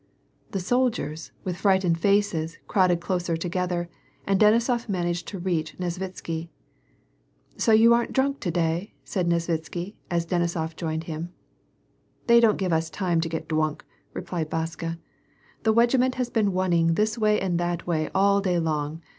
The soldiers, with frightened faces, crowded closer together, and Denisof managed to reach Nesvitsky. " So you aren't drunk to day ?" said Nesvitsky, as Denisof joined him. " They don't give us time to get dwunk," replied Vaska. " The wegiment has been wunning this way and that way all day long.